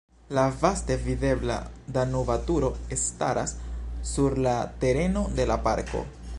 La vaste videbla Danuba Turo staras sur la tereno de la parko.